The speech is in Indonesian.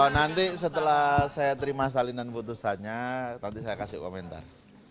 nanti setelah saya terima salinan putusannya nanti saya kasih komentar